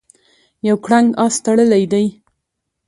یو کرنګ آس تړلی دی.